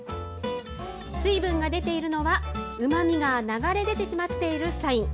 水分が出ているのは、うまみが流れ出てしまっているサイン。